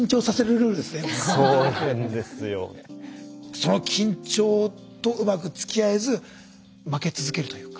その緊張とうまくつきあえず負け続けるというか。